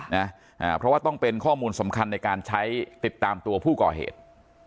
นะอ่าเพราะว่าต้องเป็นข้อมูลสำคัญในการใช้ติดตามตัวผู้ก่อเหตุ